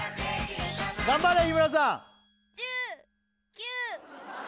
頑張れ日村さん